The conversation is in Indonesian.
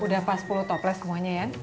udah pas sepuluh toples semuanya ya